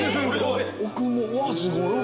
奥もわっすごい奥。